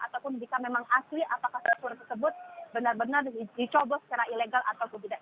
ataupun jika memang asli apakah peraturan tersebut benar benar dicobol secara ilegal ataupun tidak